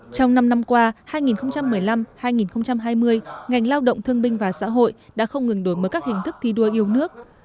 trong năm năm qua hai nghìn một mươi năm hai nghìn hai mươi ngành lao động thương binh và xã hội đã không ngừng đổi mới các hình thức thi đua yêu nước